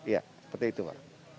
ya seperti itu pak